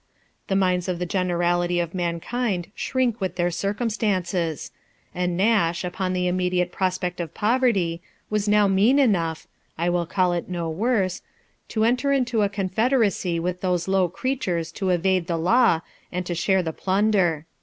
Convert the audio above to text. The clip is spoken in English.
The minds of the gene rality of mankind shrink with their circumstances ; and Nash, upon the immediate prospect of poverty, was now mean enough (I will call it no worse) to enter into a confederacy with those low creatures to evade the law, and to share the plunder.